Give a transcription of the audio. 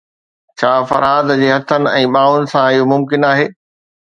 ڇا فرهاد جي هٿن ۽ ٻانهن سان اهو ممڪن آهي؟